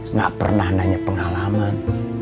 nggak pernah nanya pengalaman